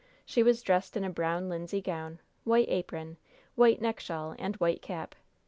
She was dressed in a brown, linsey gown, white apron, white neck shawl and white cap.